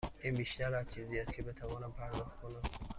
این بیشتر از چیزی است که بتوانم پرداخت کنم.